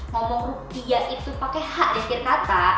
ngomong rupiah itu pake h di akhir kata